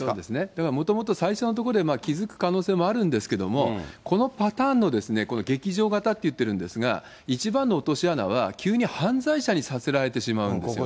だからもともと、最初のところで気付く可能性もあるんですけれども、このパターンの劇場型っていってるんですが、一番の落とし穴は、急に犯罪者にさせられてしまうんですよね。